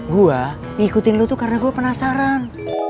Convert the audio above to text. gue ngikutin lu tuh karena gue penasaran